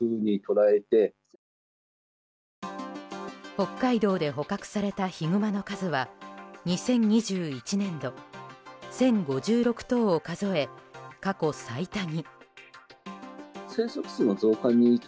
北海道で捕獲されたヒグマの数は２０２１年度１０５６頭を数え過去最多に。